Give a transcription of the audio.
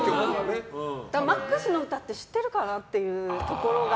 ＭＡＸの歌って知ってるかなってところが。